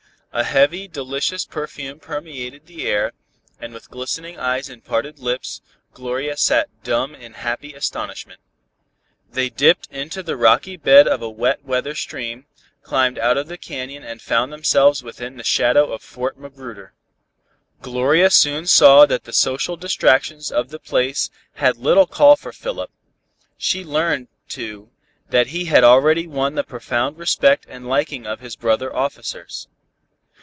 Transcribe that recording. A heavy, delicious perfume permeated the air, and with glistening eyes and parted lips, Gloria sat dumb in happy astonishment. They dipped into the rocky bed of a wet weather stream, climbed out of the canyon and found themselves within the shadow of Fort Magruder. Gloria soon saw that the social distractions of the place had little call for Philip. She learned, too, that he had already won the profound respect and liking of his brother officers.